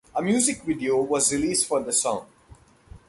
A music video was released for the song.